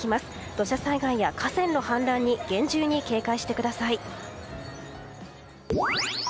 土砂災害や河川の氾濫に厳重に警戒してください。